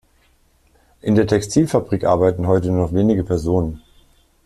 In der Textilfabrik arbeiten heute nur noch wenige Personen.